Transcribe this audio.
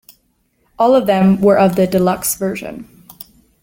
All of them were of the Deluxe version.